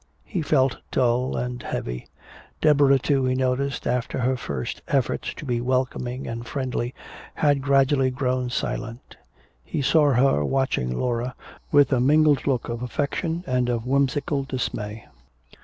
He felt dull and heavy. Deborah too, he noticed, after her first efforts to be welcoming and friendly, had gradually grown silent. He saw her watching Laura with a mingled look of affection and of whimsical dismay.